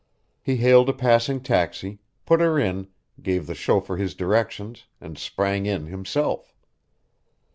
He hailed a passing taxi, put her in, gave the chauffeur his directions, and sprang in himself.